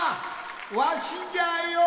わしじゃよ！